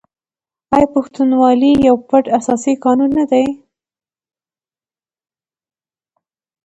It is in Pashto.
آیا پښتونولي یو پټ اساسي قانون نه دی؟